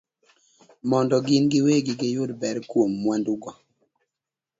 mondo gin giwegi giyud ber kuom mwandugo